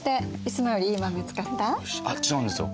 あっ違うんですよ。